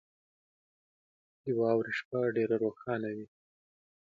• د واورې شپه ډېره روښانه وي.